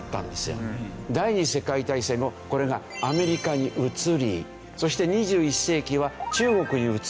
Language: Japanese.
第２次世界大戦後これがアメリカに移りそして２１世紀は中国に移り